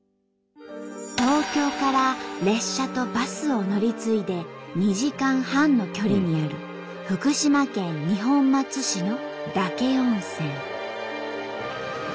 東京から列車とバスを乗り継いで２時間半の距離にある福島県二本松市の岳温泉。